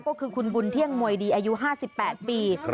ก็คือคุณบุญเที่ยงมวยดีอายุ๕๘ปี